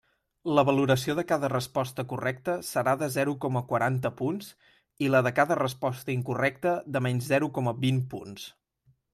La valoració de cada resposta correcta serà de zero coma quaranta punts i la de cada resposta incorrecta de menys zero coma vint punts.